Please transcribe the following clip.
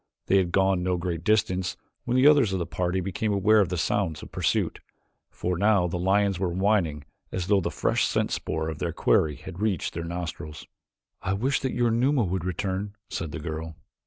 They had gone no great distance when the others of the party became aware of the sounds of pursuit, for now the lions were whining as though the fresh scent spoor of their quarry had reached their nostrils. "I wish that your Numa would return," said the girl.